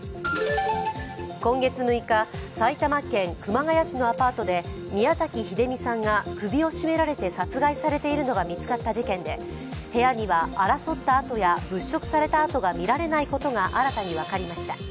今月６日、埼玉県熊谷市のアパートで宮崎英美さんが首を絞められて殺害されているのが見つかった事件で部屋には争ったあとや、物色したあとが見られなかったことが新たに分かりました。